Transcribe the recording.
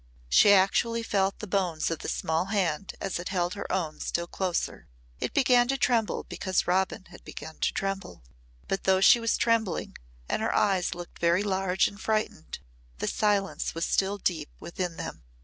She actually felt the bones of the small hand as it held her own still closer. It began to tremble because Robin had begun to tremble. But though she was trembling and her eyes looked very large and frightened, the silence was still deep within them.